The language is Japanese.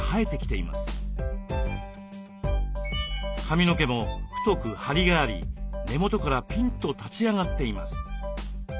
髪の毛も太くハリがあり根元からピンと立ち上がっています。